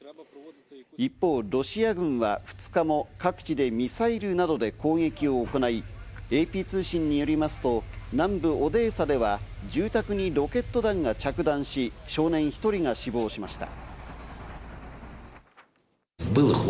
一方、ロシア軍は２日も各地でミサイルなどで攻撃を行い、ＡＰ通信によりますと、南部オデーサでは住宅にロケット弾が着弾し、少年１人が死亡しました。